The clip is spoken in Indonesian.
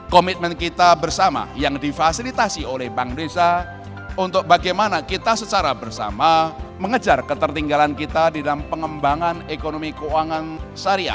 komitmen kita bersama yang difasilitasi oleh bank desa untuk bagaimana kita secara bersama mengejar ketertinggalan kita di dalam pengembangan ekonomi keuangan syariah